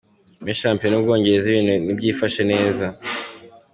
Muri shampiyona y’u Bwongereza Ibinu Nibyifashe neza